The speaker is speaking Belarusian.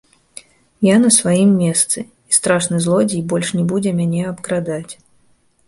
Я на сваім месцы, і страшны злодзей больш не будзе мяне абкрадаць!